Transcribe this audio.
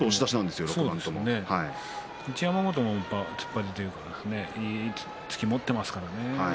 一山本も突っ張りというかいい突きを持っていますからね。